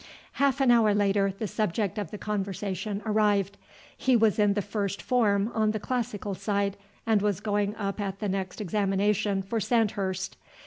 Half an hour later the subject of the conversation arrived. He was in the first form on the classical side, and was going up at the next examination for Sandhurst.